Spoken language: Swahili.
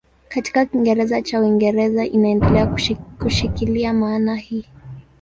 Katika Kiingereza cha Uingereza inaendelea kushikilia maana hii.